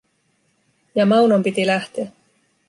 Ja Maunon piti lähteä.